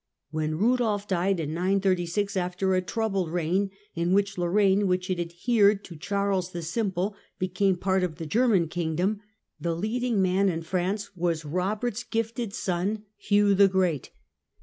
When Kudolf died in 936, after a troubled reign, in which Lorraine, which had adhered to Charles the Simple, became part of the German kingdom, the leading man in France was Eobert's gifted son, Hugh the Great.